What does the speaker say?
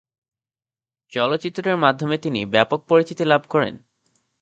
চলচ্চিত্রটির মাধ্যমে তিনি ব্যাপক পরিচিতি লাভ করেন।